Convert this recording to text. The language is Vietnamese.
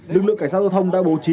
lực lượng cảnh sát giao thông đã bố trí